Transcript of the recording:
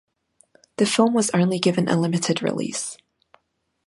The film was only given a limited release.